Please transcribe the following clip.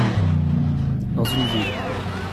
Dans une ville.